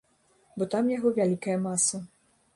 Бо там яго вялікая маса.